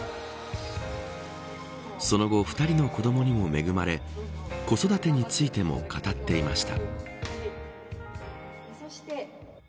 その後、２人の子どもにも恵まれ子育てについても語っていました。